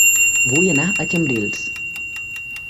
Vull anar a Cambrils